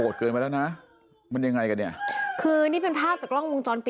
อ๋อดีสิ